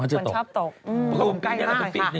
มันชอบตกตกใกล้มากค่ะอืมตกใกล้มากค่ะ